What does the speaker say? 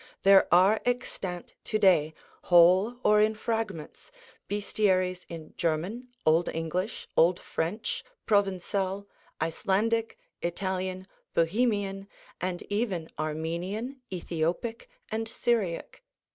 There are extant to day, whole or in fragments, Bestiaries in German, Old English, Old French, Provençal, Icelandic, Italian, Bohemian, and even Armenian, Ethiopic, and Syriac.